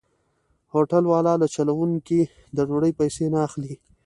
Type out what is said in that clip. هوټل والا له چلوونکو د ډوډۍ پيسې نه اخلي.